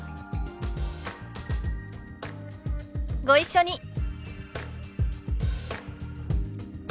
ご一緒に。